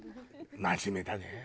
真面目だね。